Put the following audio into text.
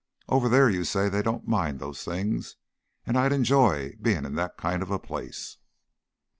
Over there you say they don't mind those things, and I'd enjoy being in that kind of a place."